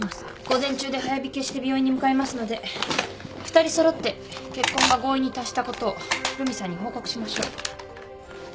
午前中で早引けして病院に向かいますので２人揃って結婚が合意に達したことを留美さんに報告しましょう。